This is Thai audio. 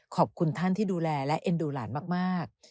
ขอบคุณท่านที่ดูแลและเอ็นดูหลานมาก